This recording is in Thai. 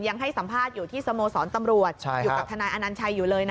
ยังให้สัมภาษณ์อยู่ที่สโมสรตำรวจอยู่กับทนายอนัญชัยอยู่เลยนะ